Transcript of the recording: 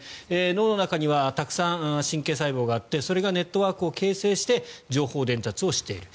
脳の中にはたくさん神経細胞があってそれがネットワークを形成して情報伝達をしている。